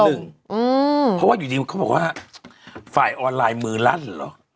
เพราะว่าอยู่ดีเขาบอกว่าฝ่ายออนไลน์มือลั่นเหรอ